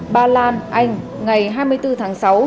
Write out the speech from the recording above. ba lan anh ngày hai mươi bốn tháng sáu